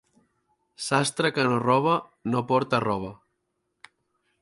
Sastre que no roba no porta roba.